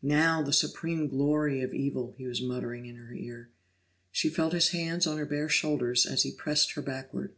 "Now the supreme glory of evil!" he was muttering in her ear. She felt his hands on her bare shoulders as he pressed her backward.